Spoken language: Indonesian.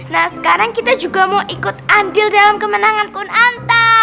nah sekarang kita juga mau ikut andil dalam kemenangan kunanta